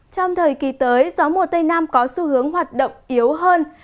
trong thời kỳ tới gió mùa tây nam có xu hướng hoạt động yếu hơn